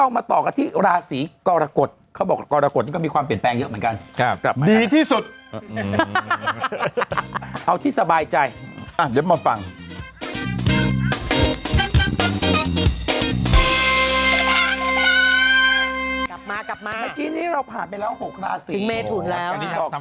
ปีนี้เป็นปีที่เริ่มใหม่ของคุณแล้ว